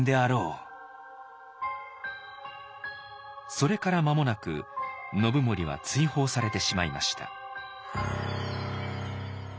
それから間もなく信盛は追放されてしまいました。